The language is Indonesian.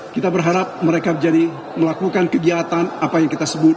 kita berharap mereka menjadi melakukan kegiatan apa yang kita sebut